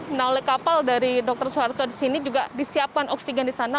menalai kapal dari dr suharto di sini juga disiapkan oksigen di sana